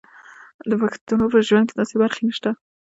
د پښتنو په ژوند کې داسې برخه نشته.